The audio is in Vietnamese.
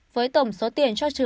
với tổng số tiền cho trường